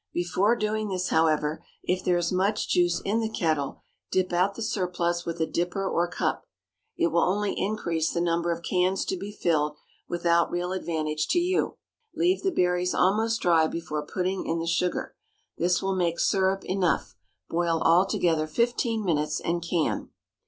Before doing this, however, if there is much juice in the kettle, dip out the surplus with a dipper or cup. It will only increase the number of cans to be filled, without real advantage to you. Leave the berries almost dry before putting in the sugar. This will make syrup enough. Boil all together fifteen minutes, and can.